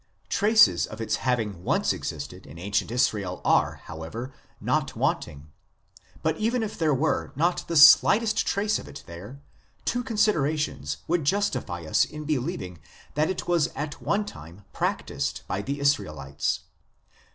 Traces of its having once existed in ancient Israel are, however, not wanting. But even if there were not the slightest trace of it there, two considerations would justify us in believing that it was at one time prac tised by the Israelites.